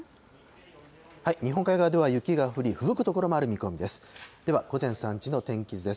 日本海側では雪が降り、ふぶく所もある見込みです。